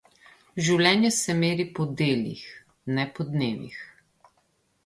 Življenje se meri po delih, ne po dnevih.